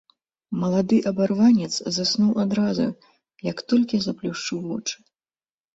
Малады абарванец заснуў адразу, як толькі заплюшчыў вочы.